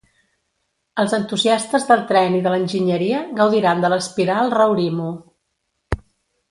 Els entusiastes del tren i de l'Enginyeria gaudiran de l'espiral Raurimu.